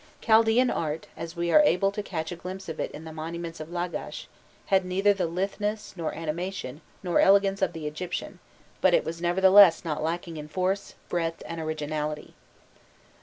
Chaldaean art, as we are able to catch a glimpse of it in the monuments of Lagash, had neither the litheness, nor animation, nor elegance of the Egyptian, but it was nevertheless not lacking in force, breadth, and originality.